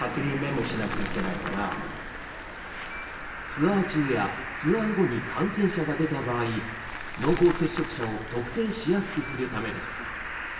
ツアー中やツアー後に感染者が出た場合濃厚接触者を特定しやすくするためです。